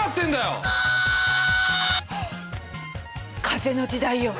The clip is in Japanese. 風の時代よ。